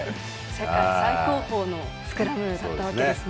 世界最高峰のスクラムだったわけですね。